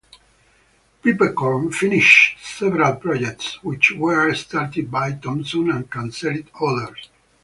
Peppercorn finished several projects which were started by Thompson and cancelled others.